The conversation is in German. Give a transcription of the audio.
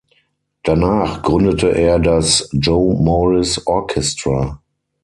Danach gründete er das "Joe Morris Orchestra".